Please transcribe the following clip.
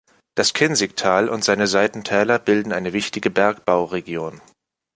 Das Kinzigtal und seine Seitentäler bilden eine wichtige Bergbauregion.